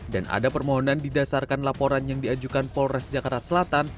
dan ada permohonan didasarkan laporan yang diajukan polres jakarta selatan